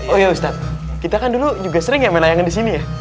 oh iya ustadz kita kan dulu juga sering ya main layangan di sini ya